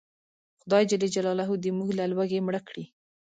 خدای ج دې موږ له لوږې مړه کړي